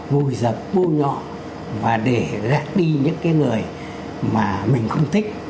vùi dập vô nhỏ và để gác đi những cái người mà mình không thích